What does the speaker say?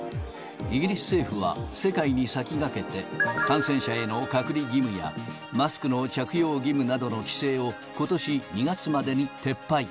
イギリス政府は、世界に先駆けて、感染者への隔離義務や、マスクの着用義務などの規制をことし２月までに撤廃。